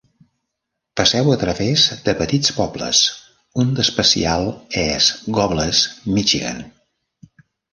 Passeu a través de petits pobles, un d'especial és Gobles, Michigan.